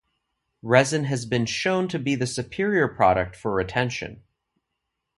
Resin has been shown to be the superior product for retention.